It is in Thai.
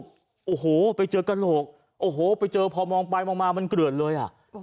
โอ้โหไปเจอกระโหลกโอ้โหไปเจอพอมองไปมองมามันเกลือดเลยอ่ะ